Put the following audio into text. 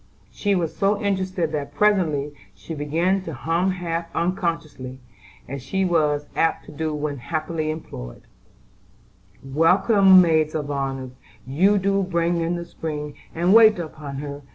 She was so interested that presently she began to hum half unconsciously, as she was apt to do when happily employed: "Welcome, maids of honor, You do bring In the spring, And wait upon her.